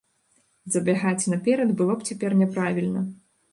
Забягаць наперад было б цяпер няправільна.